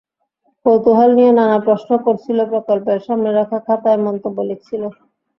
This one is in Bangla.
কৌতূহল নিয়ে নানা প্রশ্ন করছিল, প্রকল্পের সামনে রাখা খাতায় মন্তব্য লিখছিল।